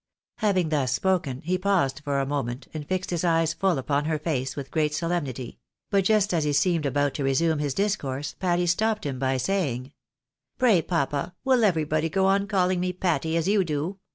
Having thus spoken, he paused for a moment, and fixed his eyes full upon her face with great solemnity ; but just as he seemed about to resume his discourse, Patty stopped him by saying —" Pray, papa, will everybody go on calling me Patty, as you do?